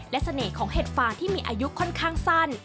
และเสน่ห์ของเห็ดฟาที่มีอายุค่อนข้างสั้น